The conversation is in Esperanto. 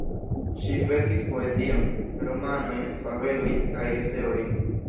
Ŝi verkis poezion, romanojn, fabelojn kaj Eseojn.